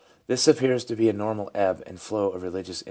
This appears to be a normal ebb and flow of religious interest.